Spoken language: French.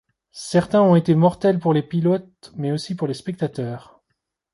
Certains ont été mortels pour les pilotes, mais aussi pour les spectateurs.